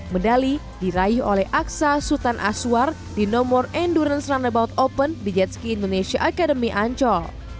medali diraih oleh aksa sultan aswar di nomor endurance runnabout open di jetski indonesia academy ancol